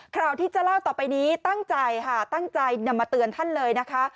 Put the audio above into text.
คราวที่จะเล่าต่อไปนี้ตั้งใจนะมาเตือนท่านเลยนะคะ